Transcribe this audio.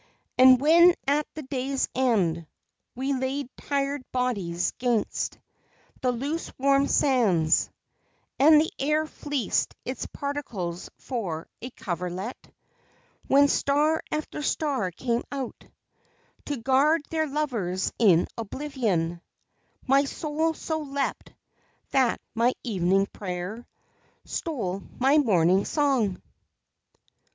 And when at the day's end We laid tired bodies 'gainst The loose warm sands, And the air fleeced its particles for a coverlet; When star after star came out To guard their lovers in oblivion My soul so leapt that my evening prayer Stole my morning song!